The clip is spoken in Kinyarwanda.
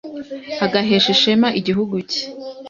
agahesha ishema igihugu cye